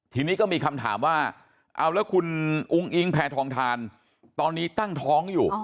ทีนี้ก็มีคำถามว่าเอาแล้วคุณอุ้งอิงแพทองทานตอนนี้ตั้งท้องอยู่